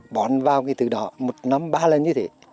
bón vào cái từ đó một năm ba lần như thế